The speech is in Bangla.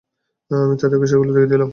আমি তাদেরকে সেগুলো দিয়ে দিলাম।